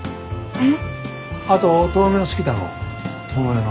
えっ？